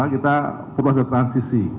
kita perlu ada transisi